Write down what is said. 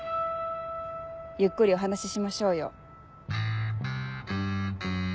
ゆっくりお話ししましょうよ。